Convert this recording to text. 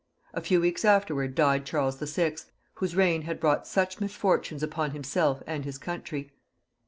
A few weeks afterwards died Charles VI., whose reign had brought such misfortunes upon himself and his country.